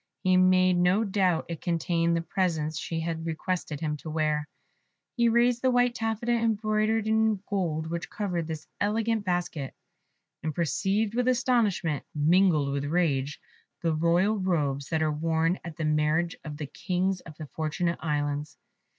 He made no doubt it contained the presents she had requested him to wear. He raised the white taffeta embroidered in gold which covered this elegant basket, and perceived with astonishment, mingled with rage, the royal robes that are worn at the marriage of the Kings of the Fortunate Islands.